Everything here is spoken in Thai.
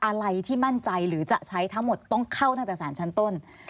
อะไรที่มั่นใจหรือจะใช้ทั้งหมดต้องเข้าตั้งแต่สารชั้นต้น